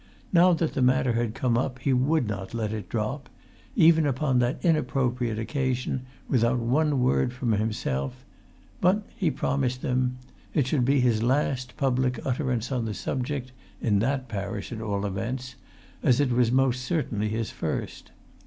Now that the matter had come up, he would not let it drop, even upon that inappropriate occasion, without one word from himself; but, he promised them, it should be his last public utterance on the subject, in that parish at all events, as it was most certainly his first.